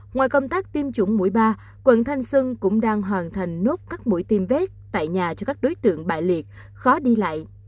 ngoài công tác tiêm chủng mũi ba quận thanh xuân cũng đang hoàn thành nốt các mũi tiêm vét tại nhà cho các đối tượng bại liệt khó đi lại